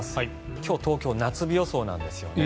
今日、東京夏日予想なんですよね。